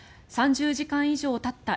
３０時間以上たった